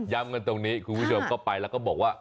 กันตรงนี้คุณผู้ชมก็ไปแล้วก็บอกว่า